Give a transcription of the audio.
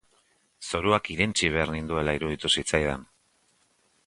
Zoruak irentsi behar ninduela iruditu zitzaidan.